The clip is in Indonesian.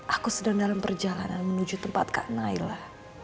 aku sedang dalam perjalanan menuju tempat kak naila